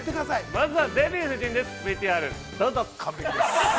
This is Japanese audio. ◆まずはデヴュー夫人です、ＶＴＲどうぞ。